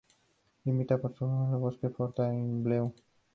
Limita por el sur con el bosque de Fontainebleau.